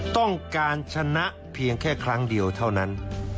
ต้องการชนะเพียงแค่ครั้งเดียวเท่านั้น